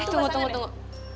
tunggu tunggu tunggu